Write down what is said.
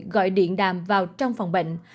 gọi điện đàm vào trong phòng bệnh